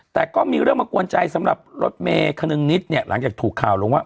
แต่ก็มีเรื่องมากวนใจสำหรับรถเมย์คนึงนิดเนี่ยหลังจากถูกข่าวลงว่า